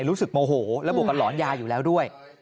รู้สึกโมโหแล้วบวกกับหลอนยาอยู่แล้วด้วย